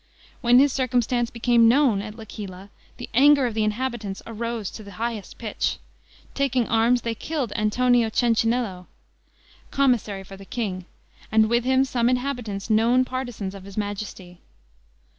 When this circumstance became known at L'Aquila, the anger of the inhabitants arose to the highest pitch; taking arms they killed Antonio Cencinello, commissary for the king, and with him some inhabitants known partisans of his majesty.